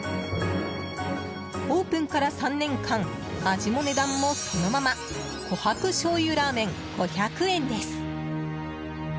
オープンから３年間味も値段もそのまま琥珀醤油ラーメン、５００円です。